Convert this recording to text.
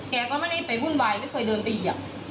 แกก็ไม่ได้ไปวุ่นวายไม่เคยเดินไปเหยียบ